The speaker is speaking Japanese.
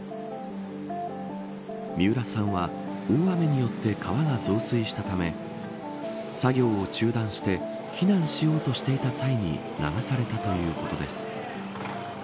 三浦さんは大雨によって川が増水したため作業を中断して避難しようとしていた際に流されたということです。